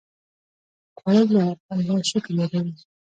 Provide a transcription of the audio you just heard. خوړل د الله شکر یادوي